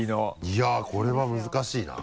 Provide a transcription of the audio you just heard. いやこれは難しいな。